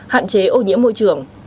hạn chế ô nhiễm môi trường